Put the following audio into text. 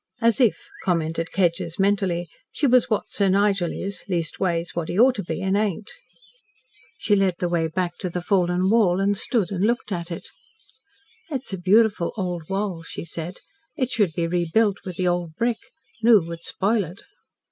"As if," commented Kedgers mentally, "she was what Sir Nigel is leastways what he'd ought to be an' ain't." She led the way back to the fallen wall and stood and looked at it. "It's a beautiful old wall," she said. "It should be rebuilt with the old brick. New would spoil it."